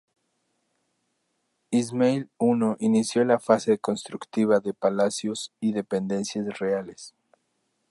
Ismail I inició la fase constructiva de palacios y dependencias reales.